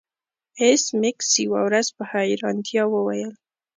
ایس میکس یوه ورځ په حیرانتیا وویل